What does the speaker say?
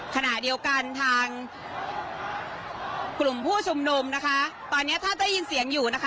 ขณะเดียวกันทางกลุ่มผู้ชุมนุมนะคะตอนนี้ถ้าได้ยินเสียงอยู่นะคะ